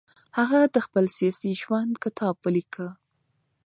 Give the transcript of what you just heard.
هغه د خپل سیاسي ژوند کتاب ولیکه.